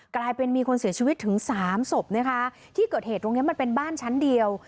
กลายเป็นมีคนเสียชีวิตถึงสามศพนะคะที่เกิดเหตุตรงเนี้ยมันเป็นบ้านชั้นเดียว